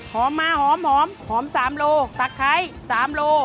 หอมมาหอมหอม๓โลตักไข้๓โล